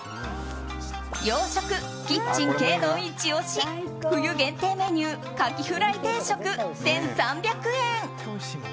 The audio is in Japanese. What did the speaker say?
洋食、キッチンＫのイチ押し冬限定メニュー、カキフライ定食１３００円。